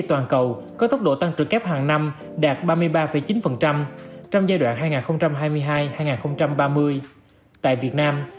toàn cầu có tốc độ tăng trưởng kép hàng năm đạt ba mươi ba chín trong giai đoạn hai nghìn hai mươi hai hai nghìn ba mươi tại việt nam